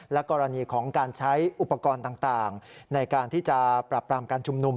และกรณีของการใช้อุปกรณ์ต่างในการที่จะปรับปรามการชุมนุม